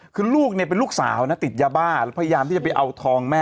คือลูกเนี่ยเป็นลูกสาวนะติดยาบ้าแล้วพยายามที่จะไปเอาทองแม่